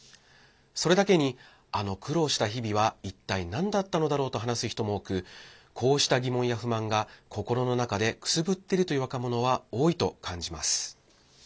それだけに、あの苦労した日々は一体なんだったのだろうと話す人も多くこうした疑問や不満が心の中でくすぶってるという若者は多いと感じます。